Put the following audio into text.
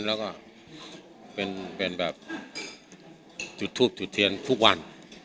แล้วก็เป็นแบบจุดทูบจุดเทียนทุกวัน